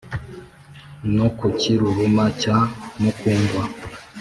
No ku Kiruruma cya Mukungwa